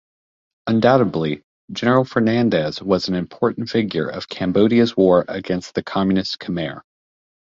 Undoubtedly, General Fernandez was an important figure of Cambodia's war against the communist Khmer.